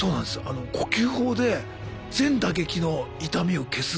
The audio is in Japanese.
あの呼吸法で全打撃の痛みを消すっていう。